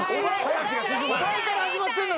お前から始まってんだぞ。